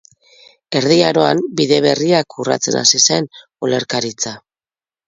Erdi Aroan, bide berriak urratzen hasi zen olerkaritza.